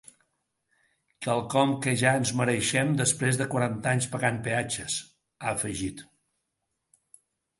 Quelcom que ja ens mereixem després de quaranta anys pagant peatges, ha afegit.